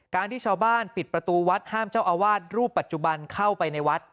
ที่ชาวบ้านปิดประตูวัดห้ามเจ้าอาวาสรูปปัจจุบันเข้าไปในวัด